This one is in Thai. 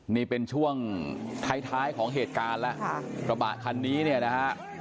นี่เป็นช่วงท้ายของเหตุการณ์แล้วประบาทคันนี้เนี่ยนะครับ